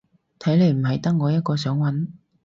睇嚟唔係得我一個想搵